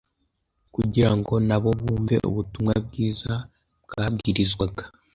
kugira ngo nabo bumve ubutumwa bwiza bwabwirizwaga.